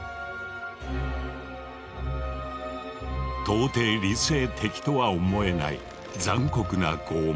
到底理性的とは思えない残酷な拷問。